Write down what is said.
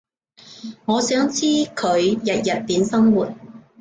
我想知佢日日點生活